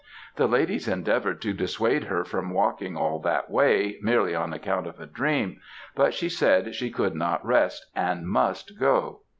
The ladies endeavoured to dissuade her from walking all that way, merely on account of a dream. But she said she could not rest, and must go.